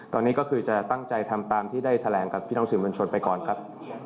ตอนนี้ก็คือจะตั้งใจทำตามที่ได้แถลงกับพี่น้องสื่อมวลชนไปก่อนครับ